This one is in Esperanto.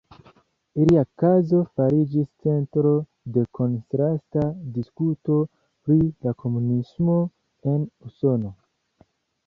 Ilia kazo fariĝis centro de kontrasta diskuto pri la komunismo en Usono.